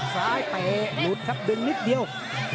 ซ้ายเตหนูดครับเดินนิดเดียว